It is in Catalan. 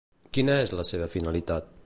Quina és la seva finalitat?